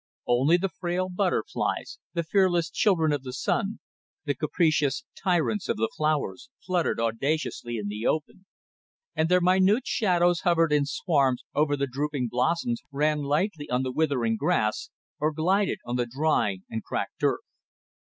Only the frail butterflies, the fearless children of the sun, the capricious tyrants of the flowers, fluttered audaciously in the open, and their minute shadows hovered in swarms over the drooping blossoms, ran lightly on the withering grass, or glided on the dry and cracked earth.